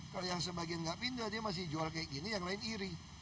kalau yang sebagian tidak pindah dia masih jual seperti ini yang lain iri